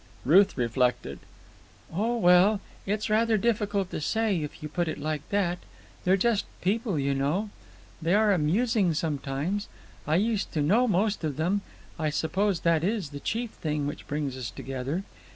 Ruth reflected. "Oh, well, it's rather difficult to say if you put it like that. They're just people, you know. They are amusing sometimes. I used to know most of them. I suppose that is the chief thing which brings us together.